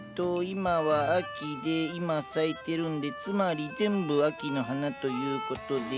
今は秋で今咲いてるんでつまり全部秋の花という事で。